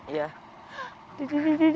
nyebur ke sawah